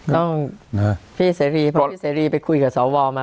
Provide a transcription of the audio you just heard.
พี่เสรีเพราะพี่เสรีไปคุยกับสวมา